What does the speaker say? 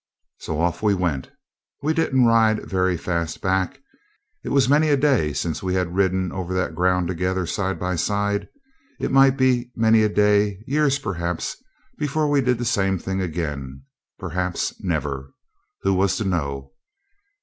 So off we went. We didn't ride very fast back. It was many a day since we had ridden over that ground together side by side. It might be many a day, years perhaps, before we did the same thing again. Perhaps never! Who was to know?